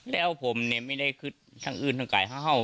แล้วผมเนี่ยไม่ได้ขึ้นทั้งอื่นทั้งไก่ข้าว